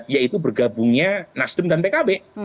yaitu bergabungnya nasdem dan pkb